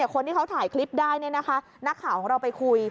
คนที่เขาถ่ายคลิปได้นักข่าวของเราไปคุย